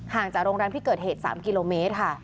จากโรงแรมที่เกิดเหตุ๓กิโลเมตรค่ะ